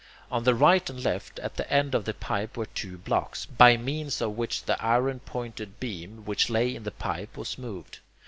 On the right and left, at the end of the pipe, were two blocks, by means of which the iron pointed beam, which lay in the pipe, was moved.